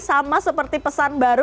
sama seperti pesan baru